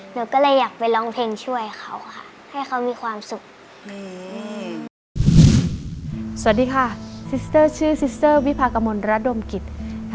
หนูก็เลยอยากไปร้องเพลงช่วยเขาค่ะให้เขามีความสุข